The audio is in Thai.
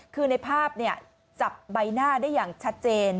คือในภาพจับใบหน้าได้อย่างชัดเจน